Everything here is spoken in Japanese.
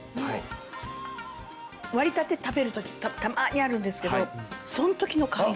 割りたて食べるときたまにあるんですけどそのときの感じ。